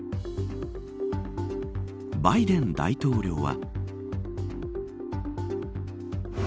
バイデン大統領は。